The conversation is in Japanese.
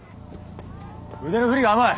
腕の振りが甘い！